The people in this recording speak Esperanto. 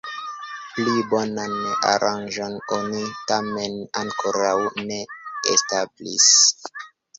Pli bonan aranĝon oni tamen ankoraŭ ne establis.